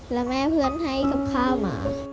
แล้วแม่เพื่อนให้กับข้าวมา